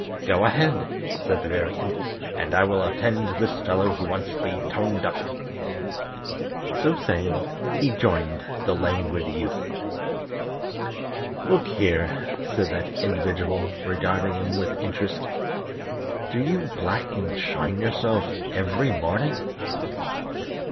"Go ahead," said the Very Imp, "and I will attend to this fellow who wants to be toned up." So saying he joined the Languid Youth. "Look here," said that individual, regarding him with interest, "do you black and shine yourself every morning?"